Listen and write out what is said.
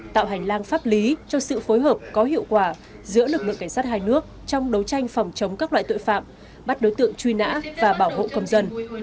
tạo hành lang pháp lý cho sự phối hợp có hiệu quả giữa lực lượng cảnh sát hai nước trong đấu tranh phòng chống các loại tội phạm bắt đối tượng truy nã và bảo hộ công dân